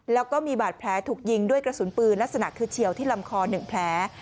แล้วก็มีบาดแผลถูกยิงด้วยกระสุนปืนลักษณะคือเฉียวที่ลำคอ๑แผล